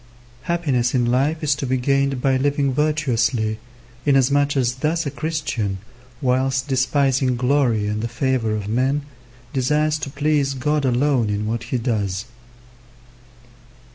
Happiness in life is to be gained by living virtuously, inasmuch as thus a Christian, whilst despising glory and the favour of men, desires to please God alone in what he does.